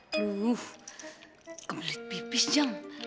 duh kebelet pipis jeng